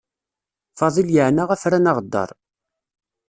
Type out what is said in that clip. Fadil yeɛna afran aɣeddaṛ.